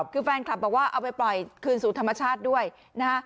คือแฟนคลับบอกว่าเอาไปปล่อยคืนสู่ธรรมชาติด้วยนะฮะ